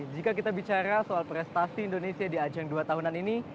jika kita bicara soal prestasi indonesia di ajang dua tahunan ini